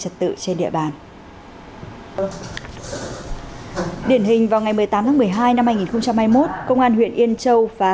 trật tự trên địa bàn điển hình vào ngày một mươi tám tháng một mươi hai năm hai nghìn hai mươi một công an huyện yên châu và